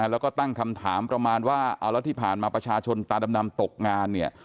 แล้วก็ตั้งคำถามประมาณว่าเอาแล้วที่ผ่านมาประชาชนตาดำตกงานเนี่ย